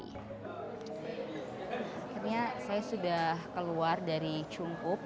akhirnya saya sudah keluar dari cungkup